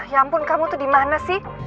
ya ampun kamu tuh di mana sih